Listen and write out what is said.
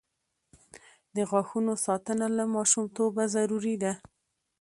د غاښونو ساتنه له ماشومتوبه ضروري ده.